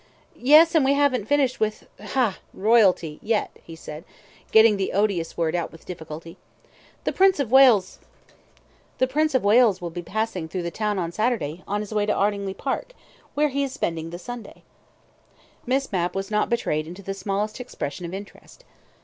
"Yes, and we haven't finished with ha royalty yet," he said, getting the odious word out with difficulty. "The Prince of Wales will be passing through the town on Saturday, on his way to Ardingly Park, where he is spending the Sunday." Miss Mapp was not betrayed into the smallest expression of interest.